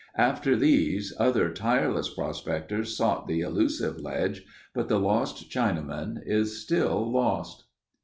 After these, other tireless prospectors sought the elusive ledge but the Lost Chinaman is still lost.